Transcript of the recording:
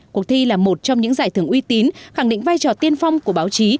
cuộc thi là một trong những giải thưởng uy tín khẳng định vai trò tiên phong của báo chí